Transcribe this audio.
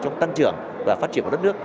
trong tăng trưởng và phát triển của đất nước